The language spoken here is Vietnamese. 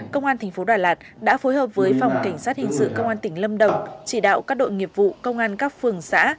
công an tp đà lạt đã phối hợp với phòng cảnh sát hình sự công an tỉnh lâm đồng chỉ đạo các đội nghiệp vụ công an các phường xã